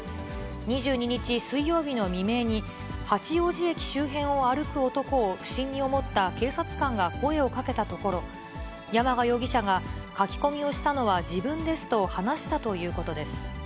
２２日水曜日の未明に、八王子駅周辺を歩く男を不審に思った警察官が声をかけたところ、山賀容疑者が、書き込みをしたのは自分ですと話したということです。